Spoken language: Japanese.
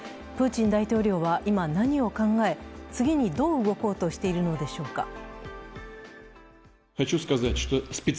プーチン大統領は今、何を考え次にどう動こうとしているのでしょうか。